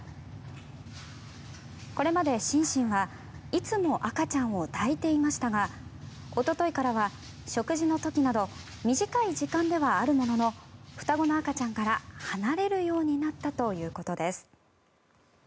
これまでシンシンはいつも赤ちゃんを抱いていましたがおとといからは食事の時など短い時間ではあるものの双子の赤ちゃんから離れるようになったということです。